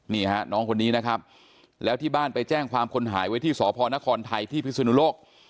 นี่ฮะน้องคนนี้นะครับแล้วที่บ้านไปแจ้งความคนหายไว้ที่สพนครไทยที่พิศนุโลก